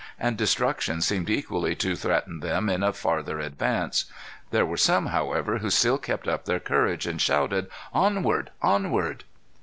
And destruction seemed equally to threaten them in a farther advance. There were some, however, who still kept up their courage, and shouted, "Onward! onward!"